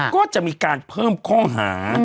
ก็จะมีการเพิ่มข้อหา